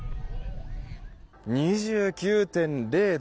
２９．０度。